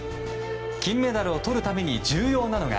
金メダルをとるために重要なのが。